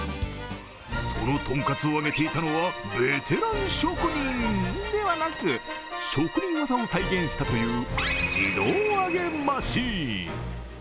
そのトンカツを揚げていたのはベテラン職人ではなく職人技を再現したという自動揚げマシーン。